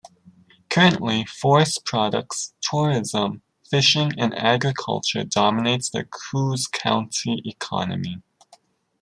Currently, forest products, tourism, fishing and agriculture dominate the Coos County economy.